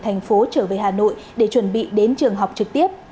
thành phố trở về hà nội để chuẩn bị đến trường học trực tiếp